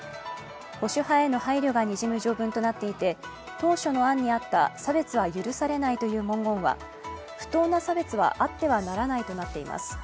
保守派への配慮がにじむ条文となっていて差別は許されないという文言は不当な差別はあってはならないとなっています。